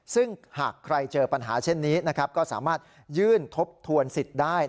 ซึ่งหากใครเจอปัญหาเช่นนี้นะครับก็สามารถยื่นทบทวนสิทธิ์ได้